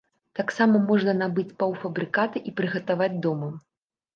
Таксама можна набыць паўфабрыкаты і прыгатаваць дома.